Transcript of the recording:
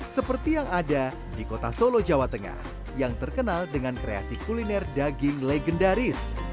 seperti yang ada di kota solo jawa tengah yang terkenal dengan kreasi kuliner daging legendaris